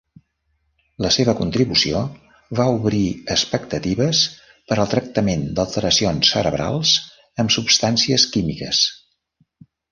La seva contribució va obrir expectatives per al tractament d'alteracions cerebrals amb substàncies químiques.